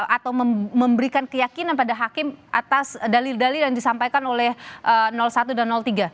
atau memberikan keyakinan pada hakim atas dalil dalil yang disampaikan oleh satu dan tiga